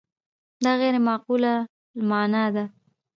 دا غیر معقولة المعنی ده.